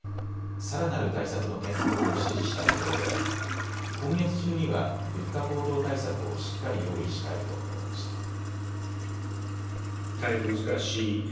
さらなる対策の検討を指示したところであり今月中には物価高騰対策をしっかり用意したいと述べました。